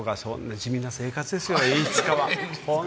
地味な生活ですよ、演出家は。